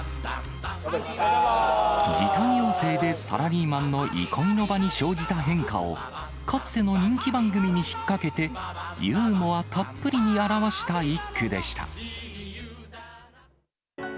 時短要請でサラリーマンの憩いの場に生じた変化を、かつての人気番組に引っ掛けて、ユーモアたっぷりに表した一句でした。